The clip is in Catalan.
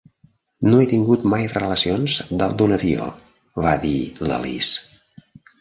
"No he tingut mai relacions dalt d'un avió", va dir l'Alice.